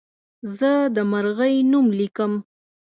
زه د مرغۍ نوم لیکم.